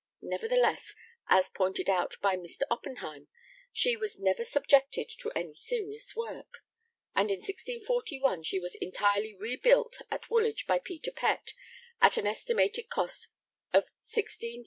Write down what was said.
Nevertheless, as pointed out by Mr. Oppenheim, she 'was never subjected to any serious work,' and in 1641 she was entirely rebuilt at Woolwich by Peter Pett at an estimated cost of 16,019_l.